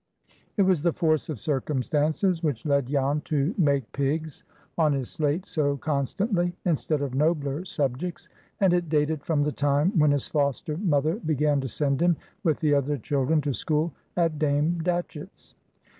It was the force of circumstances which led Jan to "make pigs" on his slate so constantly, instead of nobler subjects; and it dated from the time when his foster mother began to send him with the other children to school at Dame Datchett's.